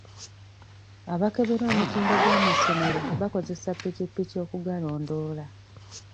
Abakebera omutindo gw'amasomero bakozesa ppikippiki okugalondoola.